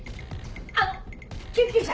あの救急車！